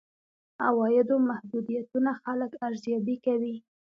عوایدو محدودیتونه خلک ارزيابي کوي.